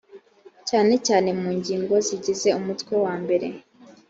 cyane cyane mu ngingo zigize umutwe wambere